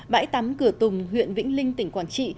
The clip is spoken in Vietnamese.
bãi tắm cửa tùng huyện vĩnh linh tỉnh quảng trị